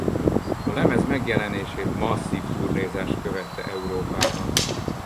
A lemez megjelenését masszív turnézás követte Európában.